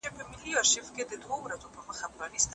قاتلان به گرځي سرې سترگي په ښار كي